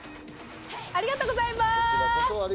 ありがとうございます。